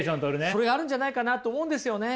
それあるんじゃないかなと思うんですよね。